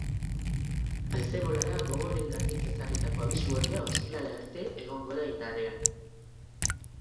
Haize bolada gogorrengatik ezarritako abisu horia ostiralera arte egongo da indarrean.